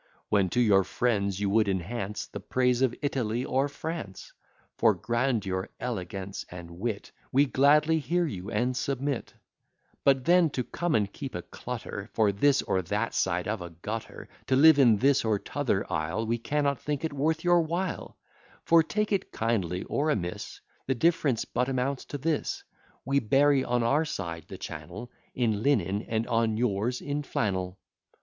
When to your friends you would enhance The praise of Italy or France, For grandeur, elegance, and wit, We gladly hear you, and submit; But then, to come and keep a clutter, For this or that side of a gutter, To live in this or t'other isle, We cannot think it worth your while; For, take it kindly or amiss, The difference but amounts to this, We bury on our side the channel In linen; and on yours in flannel.